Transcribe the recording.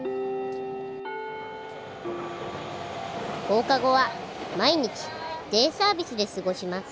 放課後は毎日デイサービスで過ごします